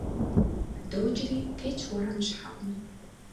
ДокӀри тетщ уэрам щхьэӀум.